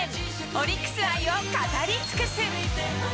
オリックス愛を語り尽くす。